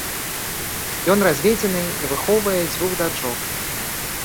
Ён разведзены і выхоўвае дзвюх дачок.